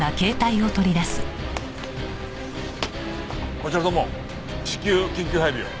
こちら土門至急緊急配備を。